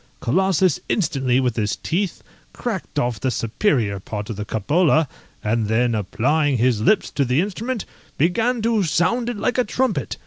Colossus instantly, with his teeth, cracked off the superior part of the cupola, and then applying his lips to the instrument, began to sound it like a trumpet.